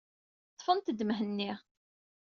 Ḍḍfent-d Mhenni.